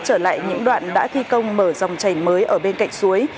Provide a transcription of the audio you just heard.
trở lại những đoạn đã thi công mở dòng chảy mới ở bên cạnh suối